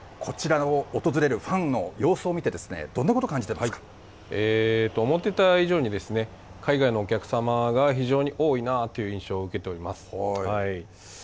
こちらを訪れるファンの様子を見て、どんなこと、感じてるん思ってた以上に海外のお客様が非常に多いなという印象を受けております。